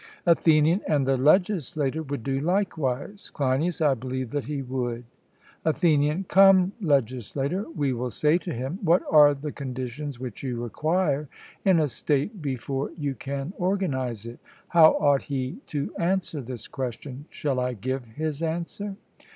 ATHENIAN: And the legislator would do likewise? CLEINIAS: I believe that he would. ATHENIAN: 'Come, legislator,' we will say to him; 'what are the conditions which you require in a state before you can organize it?' How ought he to answer this question? Shall I give his answer?